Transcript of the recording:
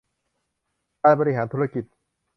การบริหารธุรกิจ